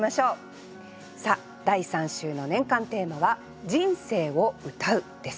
さあ第３週の年間テーマは「人生を詠う」です。